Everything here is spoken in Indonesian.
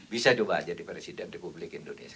bisa juga jadi presiden republik indonesia